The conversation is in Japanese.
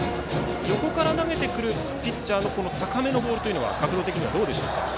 横から投げてくるピッチャーの高めのボールは角度的にはどうでしょうか。